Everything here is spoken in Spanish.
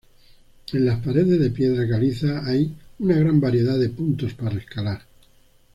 En las paredes de piedra caliza hay una gran variedad de puntos para escalar.